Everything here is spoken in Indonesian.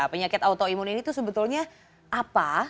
penyakit autoimun ini tuh sebetulnya apa